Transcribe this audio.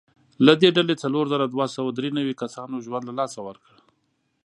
له دې ډلې څلور زره دوه سوه درې نوي کسانو ژوند له لاسه ورکړ.